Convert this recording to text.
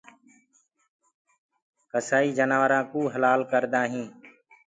ڪسآئي جآنورآ ڪوُ هلآ ڪردآ هينٚ